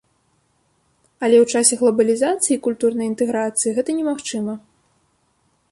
Але ў часе глабалізацыі і культурнай інтэграцыі гэта немагчыма.